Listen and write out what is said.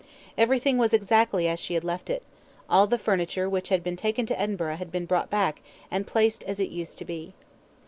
Everything was exactly as she had left it; all the furniture which had been taken to Edinburgh had been brought back and placed as it used to be.